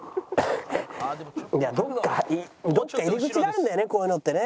どっかどっか入り口があるんだよねこういうのってね。